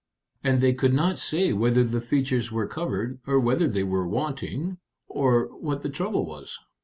And they could not say whether the features were covered, or whether they were wanting, or what the trouble was.